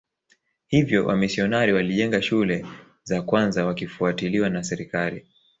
Hivyo wamisionari walijenga shule za kwanza wakifuatiliwa na serikali